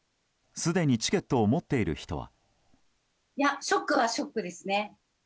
すでにチケットを持っている人は。